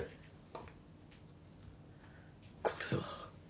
ここれは。